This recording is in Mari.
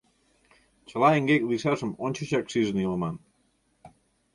Чыла эҥгек лийшашым ончычак шижын илыман.